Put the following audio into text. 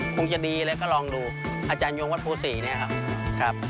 คงจะดีเลยก็ลองดูอาจารย์โยงวัฒนภูมิ๔นี่ครับ